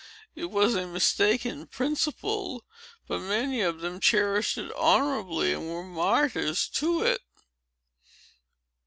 It was a mistaken principle; but many of them cherished it honorably, and were martyrs to it."